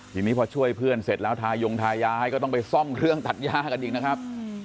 ทีนี้พอช่วยเพื่อนเสร็จแล้วทายงทายาให้ก็ต้องไปซ่อมเครื่องตัดย่ากันอีกนะครับ